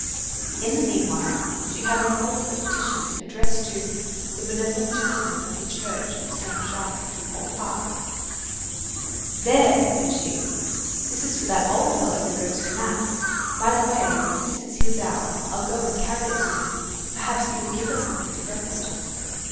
'" In the meanwhile she had unfolded the petition addressed to "the benevolent gentleman of the church of Saint Jacques du Haut Pas." "Here!" said she, "this is for that old fellow who goes to mass. By the way, this is his hour. I'll go and carry it to him. Perhaps he will give us something to breakfast on."